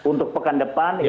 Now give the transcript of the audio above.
untuk pekan depan